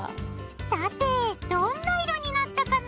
さてどんないろになったかな？